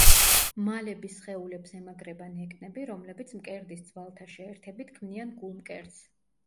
მალების სხეულებს ემაგრება ნეკნები, რომლებიც მკერდის ძვალთა შეერთებით ქმნიან გულმკერდს.